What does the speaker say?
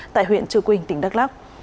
tại huyện trư quynh tỉnh đắk lắk